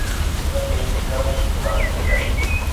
هن کي گرم چمڪاٽ مليا